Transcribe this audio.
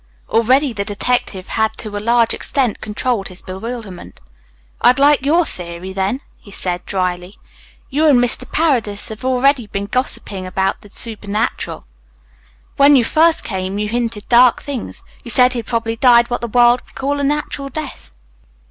Already the detective had to a large extent controlled his bewilderment. "I'd like your theory then," he said dryly. "You and Mr. Paredes have both been gossiping about the supernatural. When you first came you hinted dark things. You said he'd probably died what the world would call a natural death."